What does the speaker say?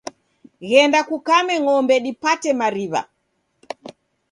Ghenda kukame ng'ombe dipate mariw'a